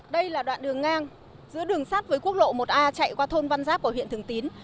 đây là đoạn đường ngang giữa đường sắt với quốc lộ một a chạy qua thôn văn giáp của huyện thường tín